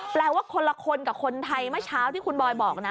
แปลว่าคนละคนกับคนไทยเมื่อเช้าที่คุณบอยบอกนะ